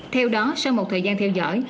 theo đó sau một thời gian theo dõi